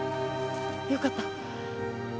よかった。